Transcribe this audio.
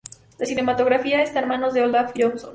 La cinematografía está en manos de Olof Johnson.